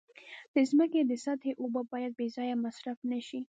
د ځمکې د سطحې اوبه باید بې ځایه مصرف نشي.